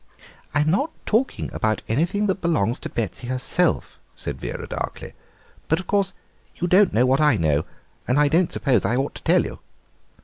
"I'm not talking about anything that belongs to Betsy herself," said Vera darkly; "but, of course, you don't know what I know, and I don't suppose I ought to tell you."